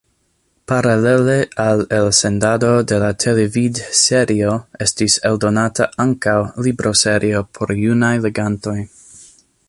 Paralele al elsendado de la televidserio estis eldonata ankaŭ libroserio por junaj legantoj.